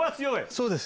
そうです。